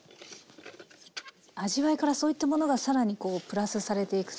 味わいからそういったものが更にこうプラスされていくと。